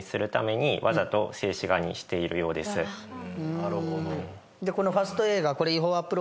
なるほど。